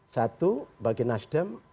satu bagi mas dem